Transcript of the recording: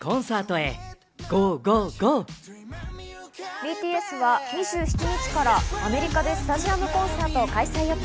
ＢＴＳは２７日からアメリカでスタジアムコンサートを開催予定。